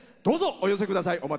どうぞ、お寄せください。